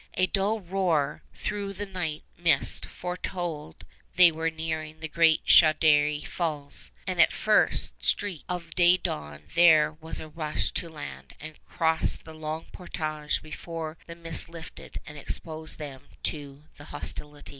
A dull roar through the night mist foretold they were nearing the great Chaudière Falls; and at first streak of day dawn there was a rush to land and cross the long portage before the mist lifted and exposed them to the hostiles.